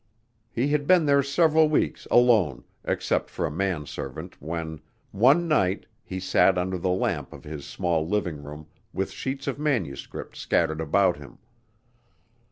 He had been there several weeks alone except for a man servant when, one night, he sat under the lamp of his small living room with sheets of manuscript scattered about him.